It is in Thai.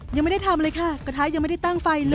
ยังไม่ได้ทำเลยค่ะกระทะยังไม่ได้ตั้งไฟเลย